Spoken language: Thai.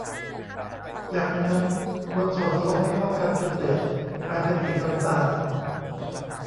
จากนั้นคนส่วนผสมให้เข้ากันจนเดือดกลายเป็นสีน้ำตาล